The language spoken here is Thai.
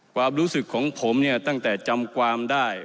ความรู้สึกของผมเนี่ยตั้งแต่จำความได้